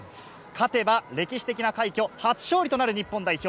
勝てば歴史的な快挙、初勝利となる日本代表。